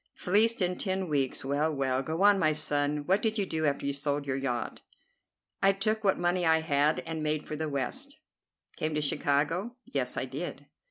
Fleeced in ten weeks! Well, well! Go on, my son. What did you do after you'd sold your yacht?" "I took what money I had and made for the West." "Came to Chicago?" "Yes, I did."